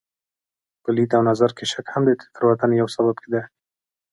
په لید او نظر کې شک هم د تېروتنې یو بل سبب دی.